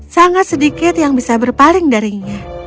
sangat sedikit yang bisa berpaling darinya